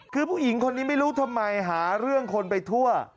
คือผู้หญิงคนนี้ไม่รู้ทำไมหาเรื่องคนไปทั่ว